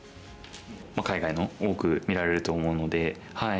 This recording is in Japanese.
海外の多く見られると思うので。